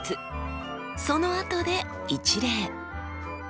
そのあとで一礼。